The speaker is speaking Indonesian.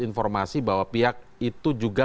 informasi bahwa pihak itu juga